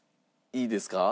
いいですか？